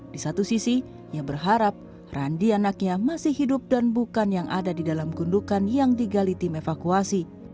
di satu sisi ia berharap randi anaknya masih hidup dan bukan yang ada di dalam gundukan yang digali tim evakuasi